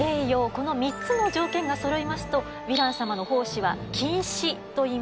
この３つの条件がそろいますとヴィラン様の胞子は「菌糸」といいます